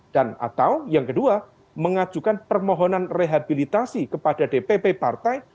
dan atau yang kedua mengajukan permohonan rehabilitasi kepada dpp partai